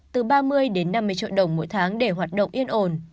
từ ba mươi năm mươi triệu đồng mỗi tháng để hoạt động yên ồn